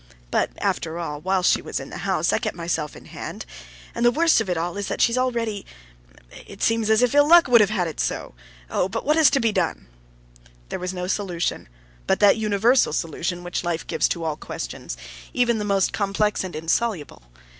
"But after all, while she was in the house, I kept myself in hand. And the worst of it all is that she's already ... it seems as if ill luck would have it so! Oh, oh! But what, what is to be done?" There was no solution, but that universal solution which life gives to all questions, even the most complex and insoluble.